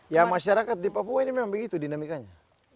ya masyarakat di papua ini memang begitu dinamikanya